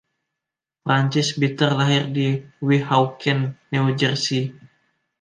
Francis Bitter lahir di Weehawken, New Jersey.